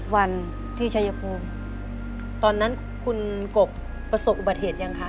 วันที่ชายภูมิตอนนั้นคุณกบประสบอุบัติเหตุยังคะ